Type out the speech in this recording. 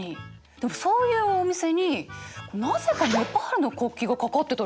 でもそういうお店になぜかネパールの国旗が掛かってたりするんだよな。